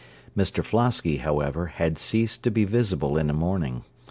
Mr Flosky, however, had ceased to be visible in a morning.